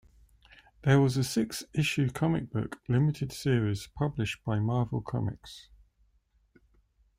There was a six-issue comic book limited series published by Marvel Comics.